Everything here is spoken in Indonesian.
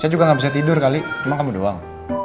saya juga gak bisa tidur kali cuma kamu doang